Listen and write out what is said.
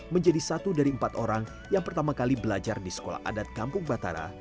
menjadi satu dari empat orang yang pertama kali belajar di sekolah adat kampung batara